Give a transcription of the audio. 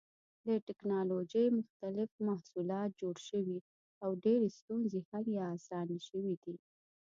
د ټېکنالوجۍ مختلف محصولات جوړ شوي او ډېرې ستونزې حل یا اسانې شوې دي.